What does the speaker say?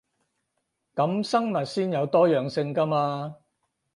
噉生物先有多樣性 𠺢 嘛